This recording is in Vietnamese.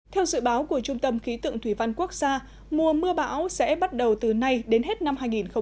theo dự báo của trung tâm khí tượng thủy văn quốc gia mùa mưa bão sẽ bắt đầu từ nay đến hết năm hai nghìn hai mươi